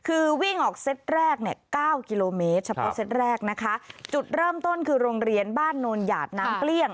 คือวิ่งออกเซ็ตแรก๙กิโลเมตรจุดเริ่มต้นคือโรงเรียนบ้านโนญาตน้ำเปลี่ยง